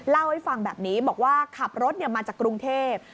เล่าให้ฟังแบบนี้บอกว่าขับรถมาจากกรุงเทพ